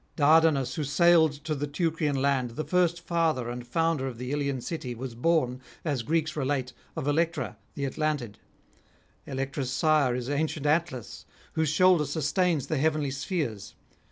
Dardanus, who sailed to the Teucrian land, the first father and founder of the Ilian city, was born, as Greeks relate, of Electra the Atlantid; Electra's sire is ancient Atlas, whose shoulder sustains the heavenly spheres.